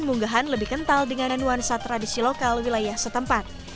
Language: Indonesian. munggahan lebih kental dengan nuansa tradisi lokal wilayah setempat